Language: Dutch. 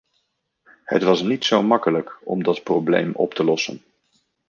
Het was niet zo makkelijk om dat probleem op te lossen.